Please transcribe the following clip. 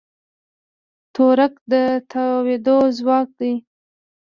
تورک د تاوېدو ځواک دی.